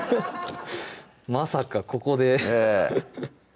まさかここでええ